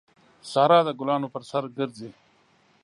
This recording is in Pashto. سارا د ګلانو پر سر ګرځي.